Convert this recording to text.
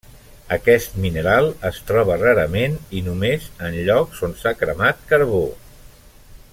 Aquest mineral es troba rarament i només en llocs on s'ha cremat carbó.